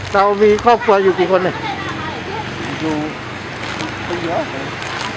เรามีครอบครัวอยู่กี่คนกัน